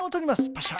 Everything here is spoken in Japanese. パシャ。